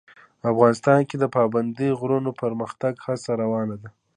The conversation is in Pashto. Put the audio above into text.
افغانستان کې د پابندي غرونو د پرمختګ هڅې روانې دي.